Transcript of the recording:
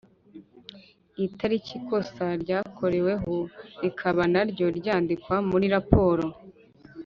itariki ikosa ryakoreweho rikaba naryo ryandikwa muri raporo.